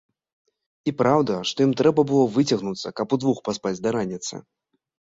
І праўда, што ім трэба было выцягнуцца, каб удвух паспаць да раніцы.